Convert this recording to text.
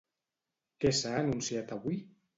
Què s'ha anunciat avui?